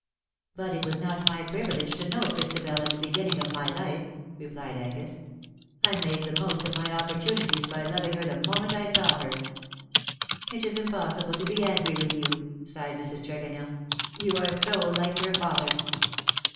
" But it was not my privilege to know Christabel at the beginning of my life, ''' replied Angus. " I made the most of my opportunities by loving her the moment I saw her.^^ " It is impossible to be angry with you, '^ sighed Mrs. Tregonell. " You are so like your father.